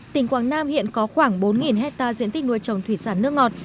tỉnh quảng nam hiện có khoảng bốn hectare diện tích nuôi trồng thủy sản nước ngọt